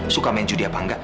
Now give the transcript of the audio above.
suka main judi apa enggak